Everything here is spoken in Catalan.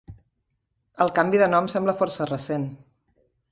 El canvi de nom sembla força recent.